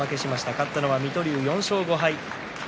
勝ったのは水戸龍、４勝５敗。